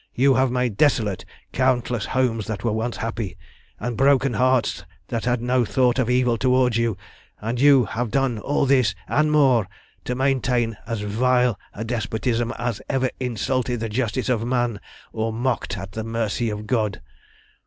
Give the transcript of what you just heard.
You have made desolate countless homes that once were happy, and broken hearts that had no thought of evil towards you and you have done all this, and more, to maintain as vile a despotism as ever insulted the justice of man, or mocked at the mercy of God.